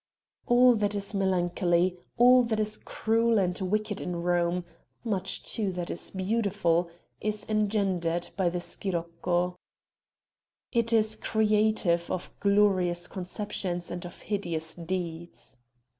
All that is melancholy, all that is cruel and wicked in Rome much, too, that is beautiful is engendered by the scirocco. It is creative of glorious conceptions and of hideous deeds.